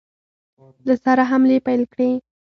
له سره حملې پیل کړې.